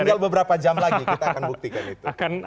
tinggal beberapa jam lagi kita akan buktikan itu